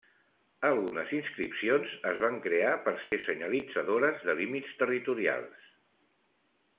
Algunes inscripcions es van crear per ser senyalitzadores de límits territorials.